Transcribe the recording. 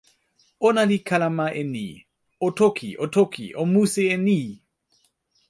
ona li kalama e ni: "o toki, o toki, o musi e ni!"